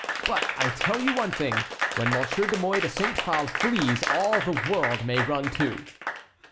But I tell you one thing, when Monsieur de Mouy de Saint Phale flees all the world may run too."